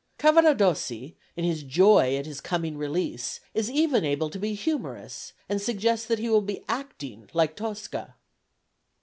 Cavaradossi, in his joy at his coming release, is even able to be humorous, and suggests that he will be acting like Tosca.